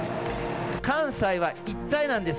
関西は一体なんです。